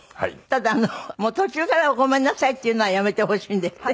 ただ途中からは「ごめんなさい」って言うのはやめてほしいんですって？